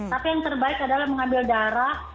tapi yang terbaik adalah mengambil darah